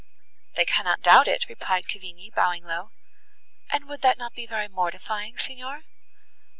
"They cannot doubt it," replied Cavigni, bowing low. "And would not that be very mortifying, Signor?"